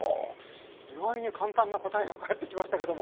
意外に簡単な答えが返ってきましたけども。